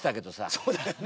そうだよね。